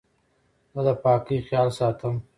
زه د پاکۍ خیال ساتم.